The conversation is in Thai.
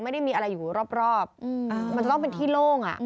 ไม่ได้มีอะไรอยู่รอบมันจะต้องเป็นที่โล่ง